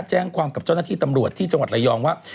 แจ้งความกับเจ้าหน้าที่ตำรวจที่จังหวัดระยองว่า